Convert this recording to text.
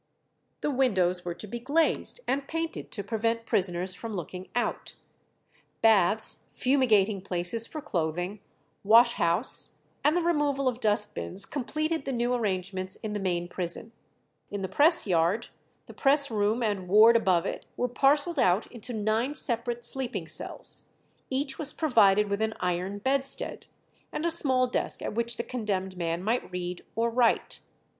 The windows were to be glazed and painted to prevent prisoners from looking out; baths, fumigating places for clothing, wash house, and the removal of dust bins, completed the new arrangements in the main prison. In the press yard, the press room and ward above it were parcelled out into nine separate sleeping cells; each was provided with an iron bedstead, and a small desk at which the condemned man might read or write.